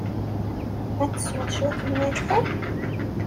Ad tesweḍ cwiṭ n watay?